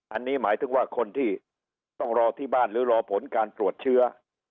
อันนี้หมายถึงว่าคนที่ต้องรอที่บ้านหรือรอผลการตรวจเชื้อ